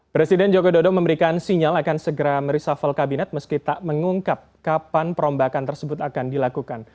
presiden jokowi dodo memberikan sinyal akan segera mereshuffle kabinet meski tak mengungkap kapan perombakan tersebut akan dilakukan